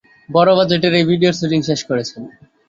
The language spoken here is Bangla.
বড় বাজেটের এই ভিডিওর শুটিং শেষ করেছেন।